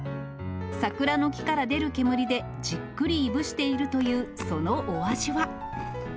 桜の木から出る煙でじっくりいぶしているというそのお味は。